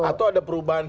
atau ada perubahan